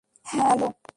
হ্যাঁঁ, হ্যাঁলো।